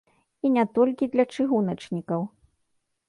І не толькі для чыгуначнікаў.